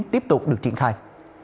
tiếp tục được triển khai